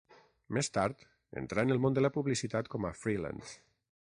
Més tard entrà en el món de la publicitat com a freelance.